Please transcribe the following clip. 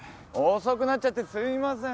・遅くなっちゃってすいません。